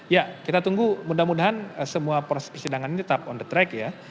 ya kita tunggu mudah mudahan semua proses persidangan ini tetap on the track ya